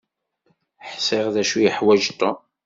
Ḥṣiɣ d acu yeḥwaǧ Tom.